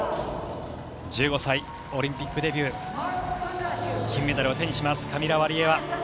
１５歳、オリンピックデビュー金メダルを手にしますカミラ・ワリエワ。